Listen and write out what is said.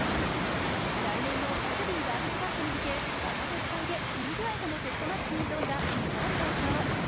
来年のラグビーワールドカップに向け若手主体でウルグアイとのテストマッチに臨んだ日本代表。